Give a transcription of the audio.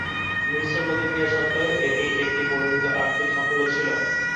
মিশ্র প্রতিক্রিয়া সত্ত্বেও, এটি একটি পরিমিত আর্থিক সাফল্য ছিল।